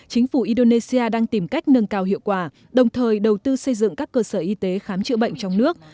chính phủ indonesia đang tìm cách nâng cao hiệu quả đồng thời đầu tư xây dựng các cơ sở y tế khám chữa bệnh trong nước